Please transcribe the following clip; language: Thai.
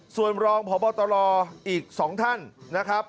ส่วนรองพบตรอีก๒ท่านนะครับ